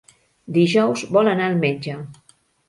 Dijous vol anar al metge.